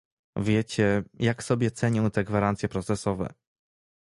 Wiecie, jak sobie cenię te gwarancje procesowe